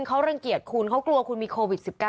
เขารังเกียจคุณเขากลัวคุณมีโควิด๑๙